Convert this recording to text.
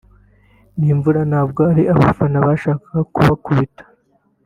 ni imvura ntabwo ari abafana bashakaga kubakubita